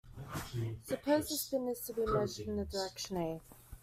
Suppose the spin is to be measured in the direction a.